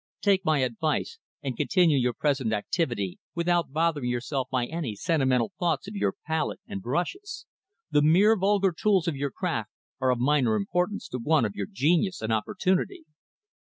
Take my advice and continue your present activity without bothering yourself by any sentimental thoughts of your palette and brushes. The mere vulgar tools of your craft are of minor importance to one of your genius and opportunity."